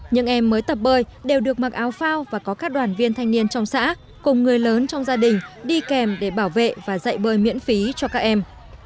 những em mới tập bơi đều được mặc áo phao và có các đoàn viên thanh niên trong xã cùng người lớn trong gia đình đi kèm để bảo vệ và dạy bơi miễn phí cho các em